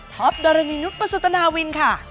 ท็อปดรนินุประสุทนาวินค่ะ